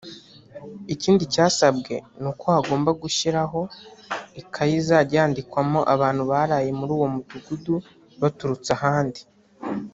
Ikindi cyasabwe ni uko hagomba gushyiraho ikayi izajya yandikwamo abantu baraye muri uwo Mudugudu baturutse ahandi